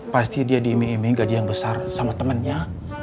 pasti dia diiming iming gaji yang besar sama temennya